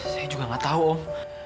saya juga gak tau om